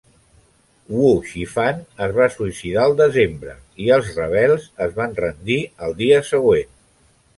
Wu Shifan es va suïcidar al desembre i els rebels es van rendir el dia següent.